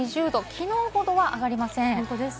昨日ほどは上がりません。